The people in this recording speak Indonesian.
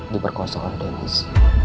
diperkosa oleh dennis